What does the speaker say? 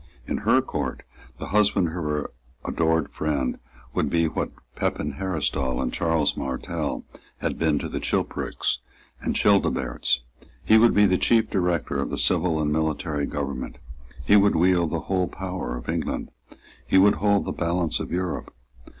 In her court the husband of her adored friend would be what Pepin Heristal and Charles Martel had been to the Chilperics and Childeberts. He would be the chief director of the civil and military government. He would wield the whole power of England. He would hold the balance of Europe.